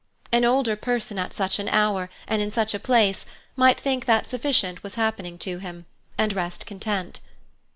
An older person at such an hour and in such a place might think that sufficient was happening to him, and rest content.